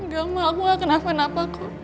gak ma aku gak kenapa kenapa kok